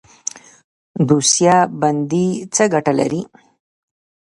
دوسیه بندي څه ګټه لري؟